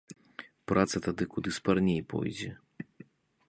Праца тады куды спарней пойдзе.